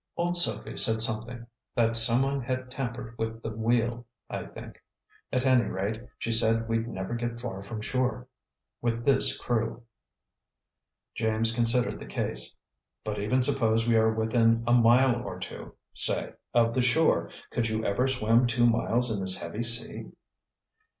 "Old Sophie said something that some one had tampered with the wheel, I think. At any rate, she said we'd never get far from shore with this crew." James considered the case. "But even suppose we are within a mile or two, say, of the shore, could you ever swim two miles in this heavy sea?"